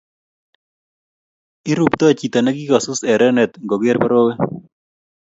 iruptoi chito nekikosus erenet ngogeer borowe